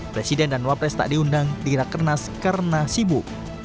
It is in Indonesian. presiden dan wapres tak diundang di rakernas karena sibuk